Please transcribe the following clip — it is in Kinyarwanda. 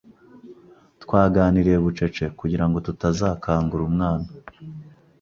Twaganiriye bucece kugirango tutazakangura umwana.